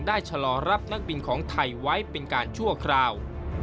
ชะลอรับนักบินของไทยไว้เป็นการชั่วคราว